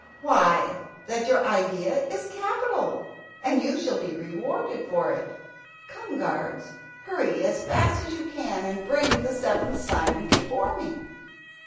Why, that your idea is capital, and you shall be rewarded for it. Come, guards, hurry as fast as you can and bring the seventh Simon before me."